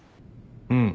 うん。